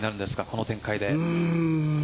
この展開で。